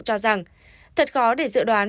cho rằng thật khó để dự đoán